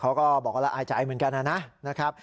เขาก็บอกว่าละอายใจเหมือนกันนะครับ